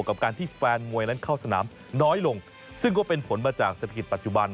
กับการที่แฟนมวยนั้นเข้าสนามน้อยลงซึ่งก็เป็นผลมาจากเศรษฐกิจปัจจุบัน